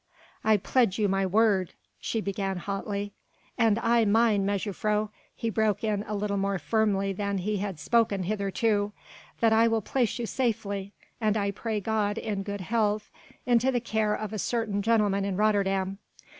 "I pledge you my word " she began hotly. "And I mine, mejuffrouw," he broke in a little more firmly than he had spoken hitherto, "that I will place you safely and I pray God in good health, into the care of a certain gentleman in Rotterdam.